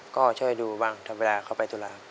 ก็ช่วยดูบ้างทำเวลาเข้าไปตัวล้าง